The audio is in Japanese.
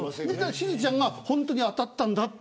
しずちゃんが本当に当たったんだって。